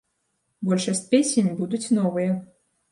Большасць песень будуць новыя.